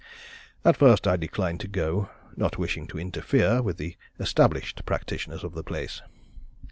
At first I declined to go, not wishing to interfere with the established practitioners of the place.